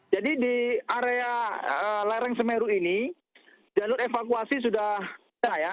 jadi di area lereng semeru ini jalur evakuasi sudah ada